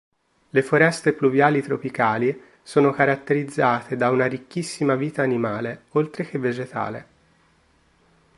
Le foreste pluviali tropicali sono caratterizzate da una ricchissima vita animale, oltre che vegetale.